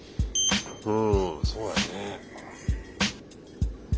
うんそうだよね。